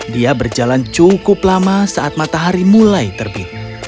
dia berjalan cukup lama saat matahari mulai terbit